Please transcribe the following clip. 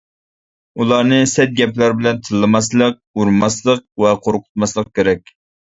ئۇلارنى سەت گەپلەر بىلەن تىللىماسلىق، ئۇرماسلىق ۋە قورقۇتماسلىق كېرەك.